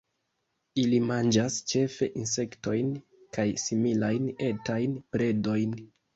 Ili manĝas ĉefe insektojn kaj similajn etajn predojn.